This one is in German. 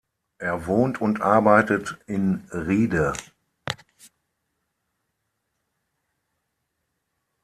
Er wohnt und arbeitet in Riede.